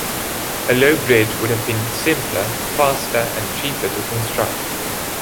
A low bridge would have been simpler, faster, and cheaper to construct.